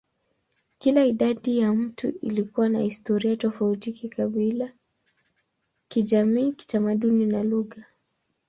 Kila idadi ya watu ilikuwa na historia tofauti kikabila, kijamii, kitamaduni, na lugha.